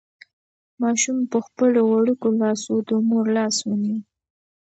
ماشوم په خپلو وړوکو لاسو د مور لاس ونیو.